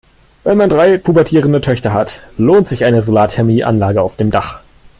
Wenn man drei pubertierende Töchter hat, lohnt sich eine Solarthermie-Anlage auf dem Dach.